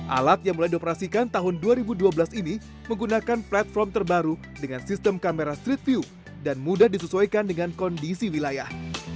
alat yang mulai dioperasikan tahun dua ribu dua belas ini menggunakan platform terbaru dengan sistem kamera street view dan mudah disesuaikan dengan kondisi wilayah